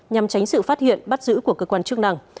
nhằm tránh sự phát hiện bắt giữ của cơ quan chức năng